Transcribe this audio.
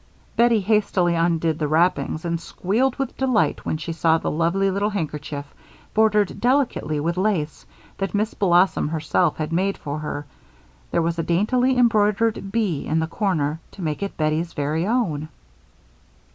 Bettie hastily undid the wrappings and squealed with delight when she saw the lovely little handkerchief, bordered delicately with lace, that Miss Blossom herself had made for her. There was a daintily embroidered "B" in the corner to make it Bettie's very own.